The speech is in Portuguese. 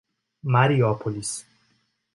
Mariópolis